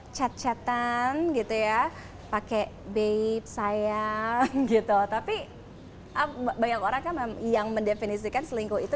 chat chatan gitu ya pakai babe sayang gitu tapi banyak orang yang mendefinisikan selingkuh itu